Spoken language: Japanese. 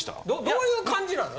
どういう感じなの？